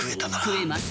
食えます。